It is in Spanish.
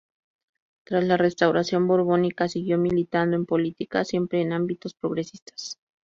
Tras la restauración borbónica, siguió militando en política, siempre en ámbitos progresistas.